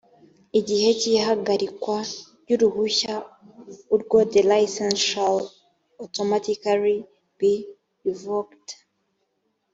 gihe cy ihagarikwa ry uruhushya urwo the license shall automatically be revoked